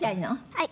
はい。